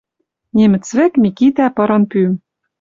Немец вӹк Микитӓ пырын пӱм.